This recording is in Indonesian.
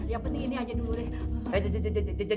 yang penting ini aja dulu deh